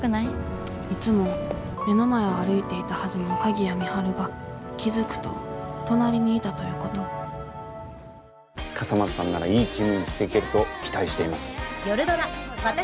いつも目の前を歩いていたはずの鍵谷美晴が気付くと隣にいたということ笠松さんならいいチームにしていけると期待しています。